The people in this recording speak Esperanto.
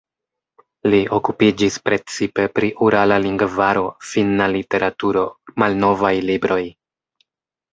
Li okupiĝis precipe pri urala lingvaro, finna literaturo, malnovaj libroj.